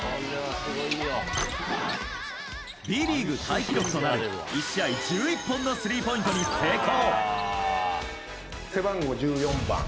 Ｂリーグタイ記録となる１試合１１本のスリーポイントに成功。